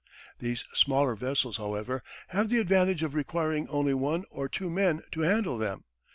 These smaller vessels, however, have the advantage of requiring only one or two men to handle them.